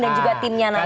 dan juga timnya nanti